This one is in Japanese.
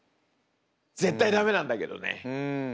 絶対駄目なんだけどね。